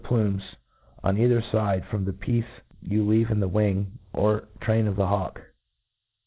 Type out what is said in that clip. plumes on either fide from the piece you leave in the wing or train of the hawk.